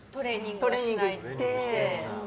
トレーニングはしてて。